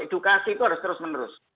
edukasi itu harus terus menerus